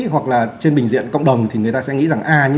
hoặc là trên bình diện cộng đồng thì người ta sẽ nghĩ rằng à